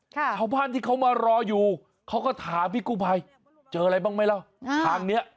ชาวบ้านที่เขามารออยู่เขาก็ถามพี่กุภัยเจออะไรบ้างไหมแล้ว